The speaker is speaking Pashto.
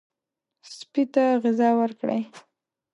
سپي ته غذا ورکړئ.